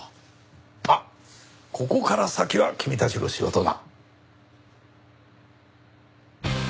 まあここから先は君たちの仕事だ。